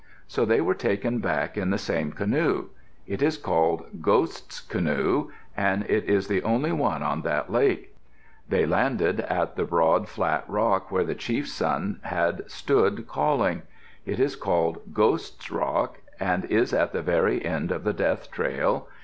So they were taken back in the same canoe. It is called Ghost's Canoe and it is the only one on that lake. They landed at the broad, flat rock where the chief's son had stood calling. It is called Ghost's Rock, and is at the very end of the Death Trail.